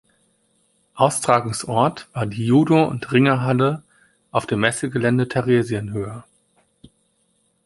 Austragungsort war die Judo- und Ringer-Halle auf dem Messegelände Theresienhöhe.